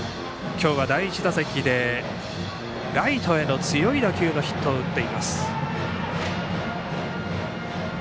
今日は第１打席でライトへの強い打球のヒットを打っています。